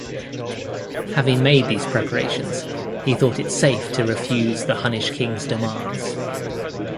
Having made these preparations, he thought it safe to refuse the Hunnish kings' demands.